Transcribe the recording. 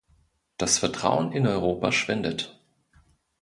Das Vertrauen in Europa schwindet.